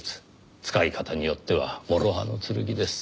使い方によっては諸刃の剣です。